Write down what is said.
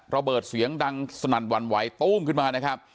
ระเบิดเสียงดังสนั่นหวั่นไหวตู้มขึ้นมานะครับ